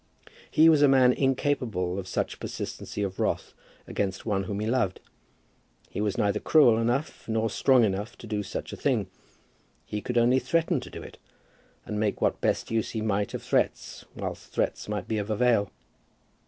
He was a man incapable of such persistency of wrath against one whom he loved. He was neither cruel enough nor strong enough to do such a thing. He could only threaten to do it, and make what best use he might of threats, whilst threats might be of avail.